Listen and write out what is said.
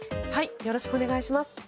よろしくお願いします。